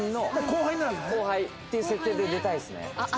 後輩っていう設定で出たいですね。